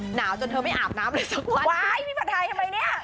หนาวจนเธอไม่อาบน้ำเลยสักวันว้ายพี่ผัดไทยทำไมเนี่ย